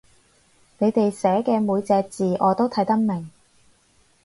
你哋寫嘅每隻字我都睇得明